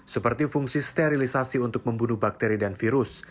seperti fungsi sterilisasi untuk membunuh bakteri dan virus